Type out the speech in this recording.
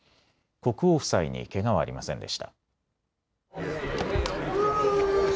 国王夫妻にけがはありませんでした。